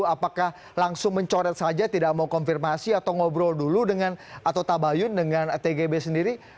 apakah langsung mencoret saja tidak mau konfirmasi atau ngobrol dulu dengan atau tabayun dengan tgb sendiri